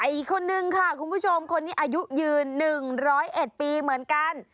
อีกคนนึงค่ะคุณผู้ชมคนนี้อายุยืนหนึ่งร้อยเอ็ดปีเหมือนกัน